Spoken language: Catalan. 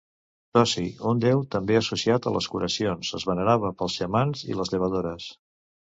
Toci, un déu també associat a les curacions, es venerava pels xamans i les llevadores.